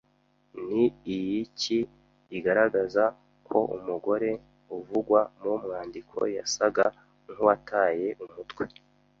Ni iiki igaragaza ko umugore uvugwa mu mwandiko yasaga nk’uwataye umutwe